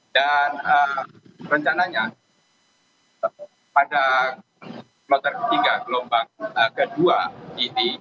dan rencananya pada kloter tiga gelombang kedua ini